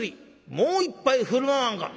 もう一杯振る舞わんか」。